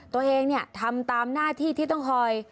ตัวเองทำตามหน้าที่ที่ต้องคอย